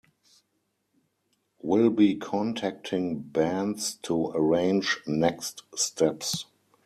Will be contacting bands to arrange next steps.